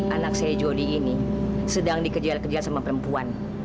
anak saya jodi ini sedang dikejar kejar sama perempuan